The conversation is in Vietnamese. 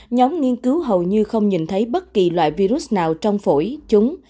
nhóm nghiên cứu hầu như không nhìn thấy bất kỳ loại virus nào trong phổi chúng